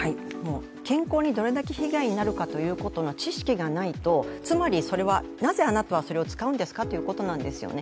健康にどれだけ被害になるかということの知識がないと、つまり、それはなぜあなたはそれを使うんですかっていうことなんですよね。